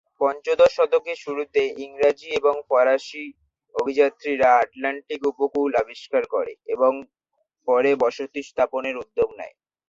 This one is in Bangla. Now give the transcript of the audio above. পঞ্চদশ শতকের শুরুতে ইংরেজ এবং ফরাসি অভিযাত্রীরা আটলান্টিক উপকূল আবিষ্কার করে এবং পরে বসতি স্থাপনের উদ্যোগ নেয়।